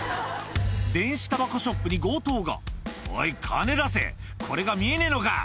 電子たばこショップに強盗が「おい金出せこれが見えねえのか」